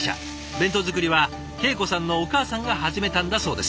弁当作りは恵子さんのお母さんが始めたんだそうです。